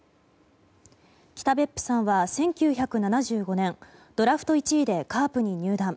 北別府さんは１９７５年ドラフト１位でカープに入団。